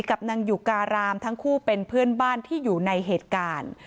กับนางอยู่การามทั้งคู่เป็นเพื่อนบ้านที่อยู่ในเหตุการณ์